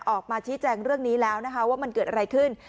ออกมาชี้แจงเรื่องนี้แล้วนะคะว่ามันเกิดอะไรขึ้น